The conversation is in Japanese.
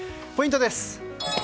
ポイントです。